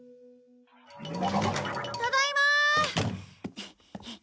ただいまー！